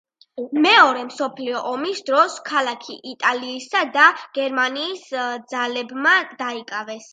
მეორე მსოფლიო ომის დროს ქალაქი იტალიისა და გერმანიის ძალებმა დაიკავეს.